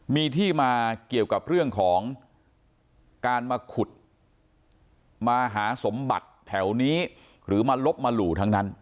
มีที่มาเกี่ยวกับเรื่องของการมาขุดมาหาสมบัติแถวนี้หรือมาลบมาหลู่ทั้งนั้น